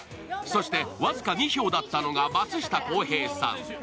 そして僅か２票だったのが松下洸平さん。